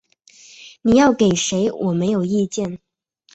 你要给谁我没有意见